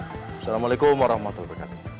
assalamualaikum warahmatullahi wabarakatuh